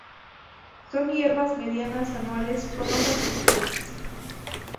Son hierbas medianas anuales con hojas estrechas.